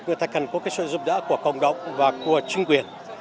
người ta cần có cái sự giúp đỡ của cộng đồng và của chính quyền